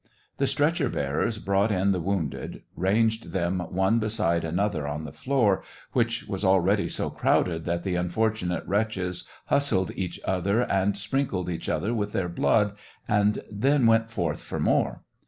The stretcher bearers brought in the wounded, ranged them one beside another on the floor, which was already so crowded that the unfortunate wretches hustled each other and sprinkled each other with their blood, and then went forth for more.